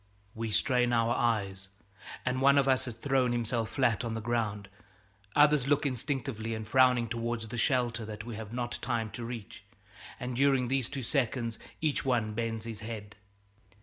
We strain our eyes, and one of us has thrown himself flat on the ground; others look instinctively and frowning towards the shelter that we have not time to reach, and during these two seconds each one bends his head.